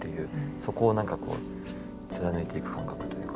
そこを何かこう貫いていく感覚というか。